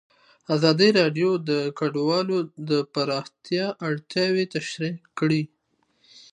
ازادي راډیو د کډوال د پراختیا اړتیاوې تشریح کړي.